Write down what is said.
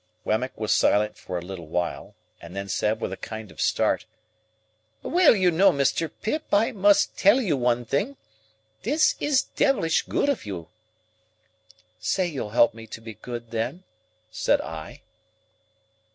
Wemmick was silent for a little while, and then said with a kind of start, "Well you know, Mr. Pip, I must tell you one thing. This is devilish good of you." "Say you'll help me to be good then," said I.